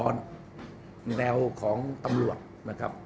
แนวของตำรวจนะครับ